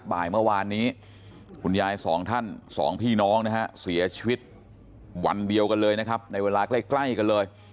บ่ายเมื่อวานนี้คุณยายสองท่านสองพี่น้องนะฮะเสียชีวิตวันเดียวกันเลยนะครับในเวลาใกล้กันเลย